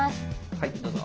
はいどうぞ。